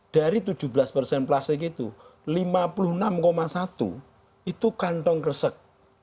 dari tujuh belas persen plastik itu lima puluh enam satu itu kantong gresik